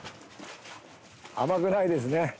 甘くないですね。